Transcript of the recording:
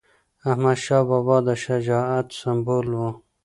احمدشاه بابا د شجاعت سمبول و.